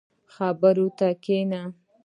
خبرو ته کښیني.